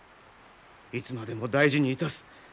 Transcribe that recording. いつまでも大事にいたす。